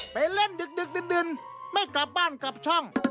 ไปเล่นดึกดื่นไม่กลับบ้านกลับช่อง